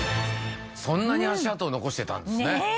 そんなに足跡を残してたんですねねえ